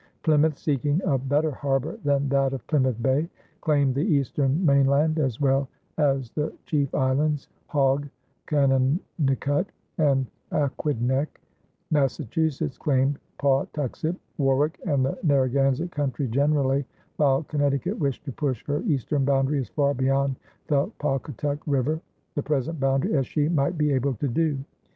Plymouth, seeking a better harbor than that of Plymouth Bay, claimed the eastern mainland as well as the chief islands, Hog, Conanicut, and Aquidneck; Massachusetts claimed Pawtuxet, Warwick, and the Narragansett country generally; while Connecticut wished to push her eastern boundary as far beyond the Pawcatuck River (the present boundary) as she might be able to do.